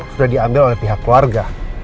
sudah diambil oleh pihak keluarga